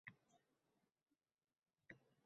Endilikda biz buni bema`ni uslub deymiz